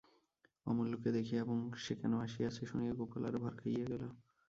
অমূল্যকে দেখিয়া এবং সে কেন আসিয়াছে শুনিয়া গোপাল আরও ভড়কাইয়া গেল।